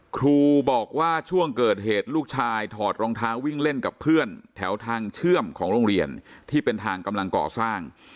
ครูบอกว่าช่วงเกิดเหตุลูกชายถอดรองเท้าวิ่งเล่นกับเพื่อนแถวทางเชื่อมของโรงเรียนที่เป็นทางกำลังก่อสร้าง